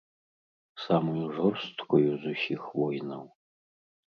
Самую жорсткую з усіх войнаў.